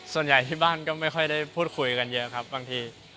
ส่วนใหญ่ที่บ้านก็ไม่ค่อยได้พูดคุยกันเยอะครับบางที